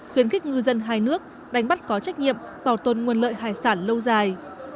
khuyến khích ngư dân hai nước đánh bắt có trách nhiệm bảo tồn nguồn lợi hải sản lâu dài